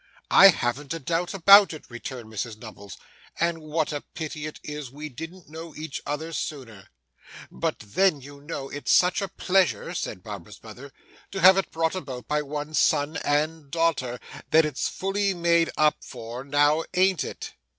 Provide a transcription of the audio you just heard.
'I haven't a doubt about it,' returned Mrs Nubbles. 'And what a pity it is we didn't know each other sooner.' 'But then, you know, it's such a pleasure,' said Barbara's mother, 'to have it brought about by one's son and daughter, that it's fully made up for. Now, an't it?